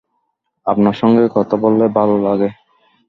আপনার সঙ্গে কথা বললে ভালো লাগে।